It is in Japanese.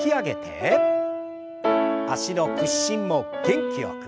脚の屈伸も元気よく。